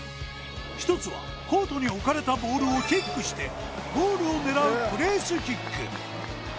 １つはコートに置かれたボールをキックしてゴールを狙うプレースキック